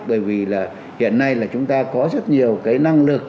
bởi vì là hiện nay là chúng ta có rất nhiều cái năng lực